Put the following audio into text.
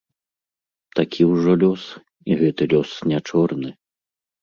Такі ўжо лёс, і гэты лёс не чорны.